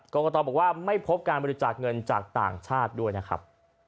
กรกตบอกว่าไม่พบการบริจาคเงินจากต่างชาติด้วยนะครับ